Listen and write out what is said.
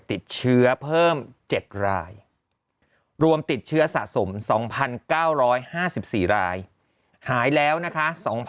ติดเชื้อเพิ่ม๗รายรวมติดเชื้อสะสม๒๙๕๔รายหายแล้วนะคะ